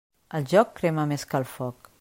El joc crema més que el foc.